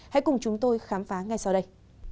hãy cùng chúng tôi khám phá ngay sau đây